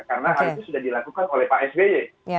karena hal itu sudah dilakukan oleh pak sby